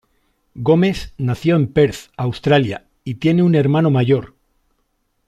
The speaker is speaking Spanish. Gomes nació en Perth, Australia, y tiene un hermano mayor.